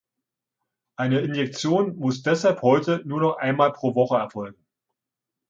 Eine Injektion muss deshalb heute nur noch einmal pro Woche erfolgen.